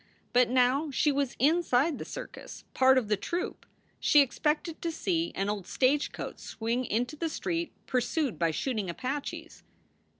But now she was inside the circus, part of the troupe. She expected to see an old stagecoach swing into the street, pursued by shooting Apaches.